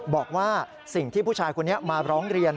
บอกว่าสิ่งที่ผู้ชายคนนี้มาร้องเรียน